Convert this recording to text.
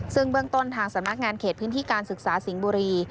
ซึ่งเบื้องต้นทางสำนักงานเขตพื้นที่การศึกษาสิงห์บุรี